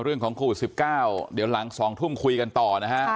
เรื่องของโควิด๑๙เดี๋ยวหลัง๒ทุ่มคุยกันต่อนะฮะ